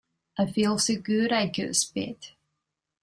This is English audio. I feel so good I could spit.